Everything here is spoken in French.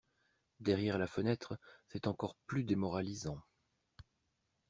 Derrière la fenêtre, c’est encore plus démoralisant.